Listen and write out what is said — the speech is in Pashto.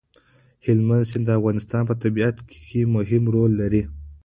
هلمند سیند د افغانستان په طبیعت کې مهم رول لري.